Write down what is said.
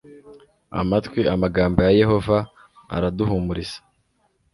amatwi amagambo ya yehova araduhumuriza